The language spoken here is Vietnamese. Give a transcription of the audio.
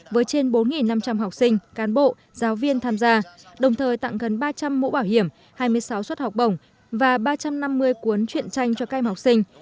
với trên bốn năm trăm linh học sinh cán bộ giáo viên tham gia đồng thời tặng gần ba trăm linh mũ bảo hiểm hai mươi sáu suất học bổng và ba trăm năm mươi cuốn truyện tranh cho các em học sinh